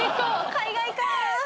海外かあ。